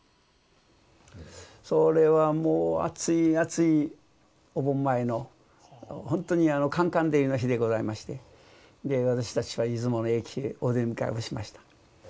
それはもう暑い暑いお盆前のほんとにカンカン照りの日でございまして私たちは出雲の駅へお出迎えをしました。